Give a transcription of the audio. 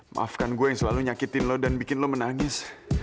maafkan gue yang selalu nyakitin lo dan bikin lo menangis